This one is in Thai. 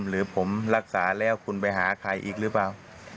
หรือผมรักษาแล้วคุณไปหาใครอีกหรือเปล่า